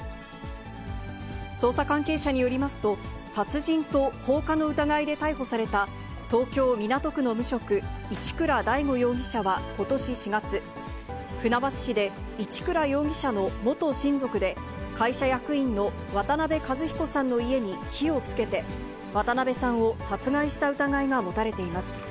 捜査関係者によりますと、殺人と放火の疑いで逮捕された、東京・港区の無職、一倉大悟容疑者は、ことし４月、船橋市で一倉容疑者の元親族で、会社役員の渡辺和彦さんの家に火をつけて、渡辺さんを殺害した疑いが持たれています。